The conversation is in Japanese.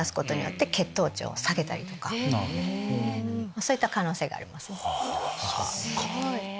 そういった可能性があります。